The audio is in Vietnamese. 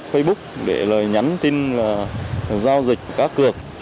facebook để lời nhắn tin là giao dịch cá cược